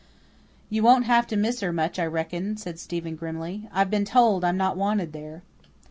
"You won't have to miss her much, I reckon," said Stephen grimly. "I've been told I'm not wanted there."